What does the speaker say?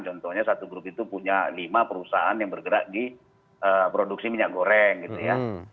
contohnya satu grup itu punya lima perusahaan yang bergerak di produksi minyak goreng gitu ya